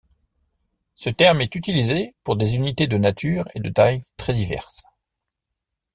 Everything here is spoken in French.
Ce terme est utilisé pour des unités de nature et de taille très diverses.